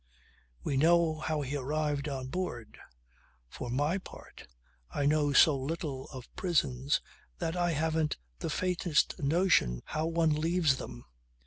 We know how he arrived on board. For my part I know so little of prisons that I haven't the faintest notion how one leaves them.